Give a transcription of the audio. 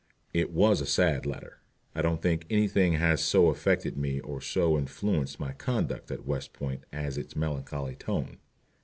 It was a sad letter. I don't think any thing has so affected me or so influenced my conduct at West Point as its melancholy tone.